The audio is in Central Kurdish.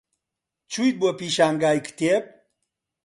چوویت بۆ پێشانگای کتێب؟